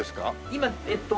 今えっと。